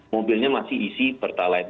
mobilnya masih isi pertalite